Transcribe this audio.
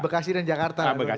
bekasi dan jakarta